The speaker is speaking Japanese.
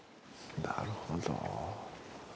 なるほど。